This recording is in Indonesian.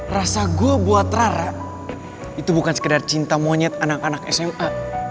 rasa gue buat rara itu bukan sekedar cinta monyet anak anak sma